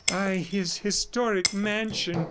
Ay, his historic mansion! .